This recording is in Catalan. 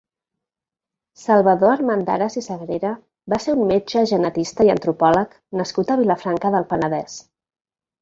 Salvador Armendares i Sagrera va ser un metge genetista i antropòleg nascut a Vilafranca del Penedès.